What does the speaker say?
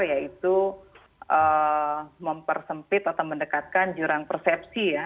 yaitu mempersempit atau mendekatkan jurang persepsi ya